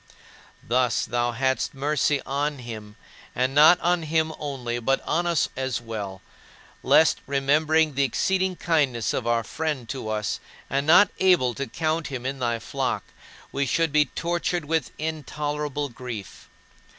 Thus thou hadst mercy on him, and not on him only, but on us as well; lest, remembering the exceeding kindness of our friend to us and not able to count him in thy flock, we should be tortured with intolerable grief.